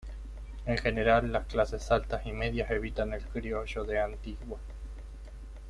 En general, las clases alta y media evitan el criollo de Antigua.